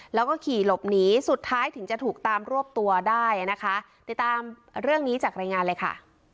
แล้วก็ขี่หลบหนีสุดท้ายถึงจะถูกตามรวบตัวได้นะคะติดตามเรื่องนี้จากรายงานเลยค่ะ